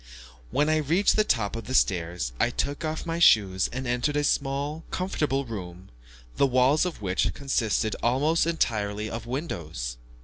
When I reached the top of the stairs, I took off my shoes, and entered a small, comfortable room, the walls of which consisted almost entirely of windows.